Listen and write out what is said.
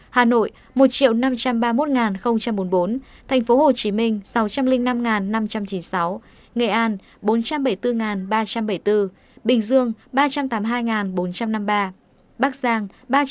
hà nội một năm trăm ba mươi một bốn mươi bốn tp hcm sáu trăm linh năm năm trăm chín mươi sáu nghệ an bốn trăm bảy mươi bốn ba trăm bảy mươi bốn bình dương ba trăm tám mươi hai bốn trăm năm mươi ba bắc giang ba trăm bảy mươi tám chín trăm bốn mươi ba